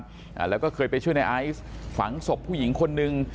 อ่าแล้วก็เคยไปช่วยในไอซ์ฝังศพผู้หญิงคนนึง